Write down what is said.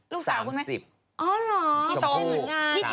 ลูกสาวคุณแม่ทุกครูลูกสาวคุณแม่อ๋อเหรอ